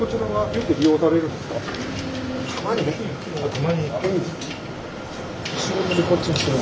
たまに？